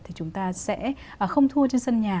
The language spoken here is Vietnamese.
thì chúng ta sẽ không thua trên sân nhà